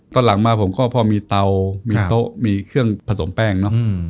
ตอนหลังมาผมก็พอมีเตามีโต๊ะมีเครื่องผสมแป้งเนอะ